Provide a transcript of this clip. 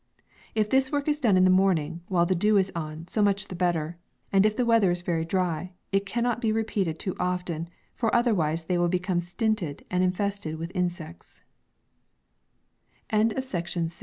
If this work is done in the morning, while the dew is on, so much the better, and if the wea ther is very dry, it cannot be repeated too often, for otherwise they will become stinted, and i